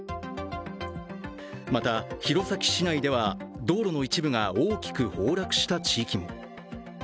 また、弘前市内では道路の一部が大きく崩落した地域も。